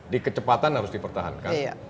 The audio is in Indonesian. di kecepatan harus dipertahankan